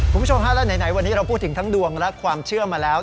คุณผู้ชมฮะและไหนวันนี้เราพูดถึงทั้งดวงและความเชื่อมาแล้ว